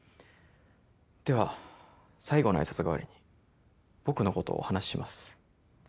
では最後の挨拶代わりに僕のことをお話しします。